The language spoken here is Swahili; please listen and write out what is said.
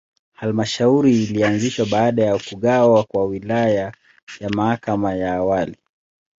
Halmashauri ilianzishwa baada ya kugawa kwa Wilaya ya Kahama ya awali.